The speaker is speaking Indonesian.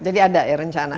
jadi ada ya rencana